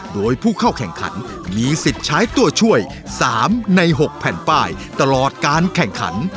โดยผู้เข้าแข่งขันมีสิทธิ์ใช้ตัวช่วย๓ใน๖แผ่นป้ายตลอดการแข่งขัน